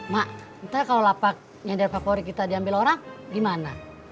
mak nanti kalau lapak yang dari favorit kita diambil orang gimana